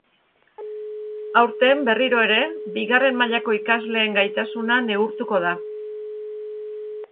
Aurten, berriro ere, bigarren mailako ikasleen gaitasuna neurtuko da.